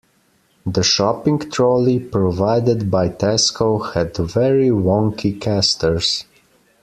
The shopping trolley provided by Tesco had very wonky casters